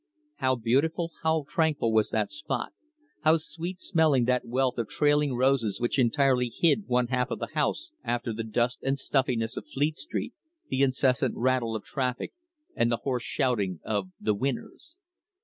How beautiful, how tranquil was that spot, how sweet smelling that wealth of trailing roses which entirely hid one half the house after the dust and stuffiness of Fleet Street, the incessant rattle of traffic, and the hoarse shouting of "the winners."